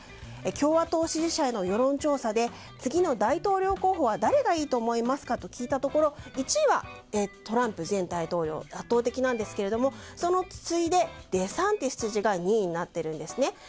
共和党支持者への世論調査で次の大統領候補は誰がいいかと思いますかと聞いたところ１位はトランプ前大統領で圧倒的なんですけどそれに次いでデサンティス知事が２位になっているんですね。